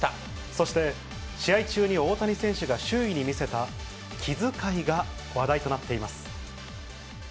そして、試合中に大谷選手が周囲に見せた気遣いが話題となっています。